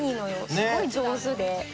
すごい上手で。